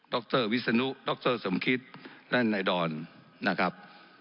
รวิศนุดรสมคิตและนายดอนนะครับ